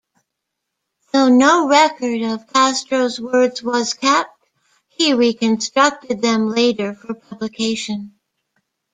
Though no record of Castro's words was kept, he reconstructed them later for publication.